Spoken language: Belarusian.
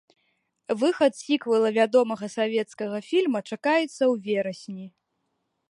Выхад сіквэла вядомага савецкага фільма чакаецца ў верасні.